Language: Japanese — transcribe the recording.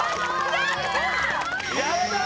やったー！